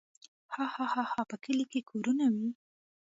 هاهاها په کلي کې کورونه وي.